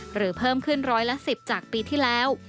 เพิ่มขึ้นร้อยละ๑๐จากปีที่แล้ว